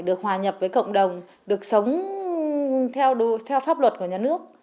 được hòa nhập với cộng đồng được sống theo pháp luật của nhà nước